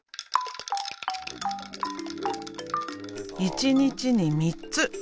一日に３つ。